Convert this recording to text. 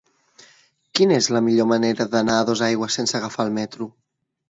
Quina és la millor manera d'anar a Dosaigües sense agafar el metro?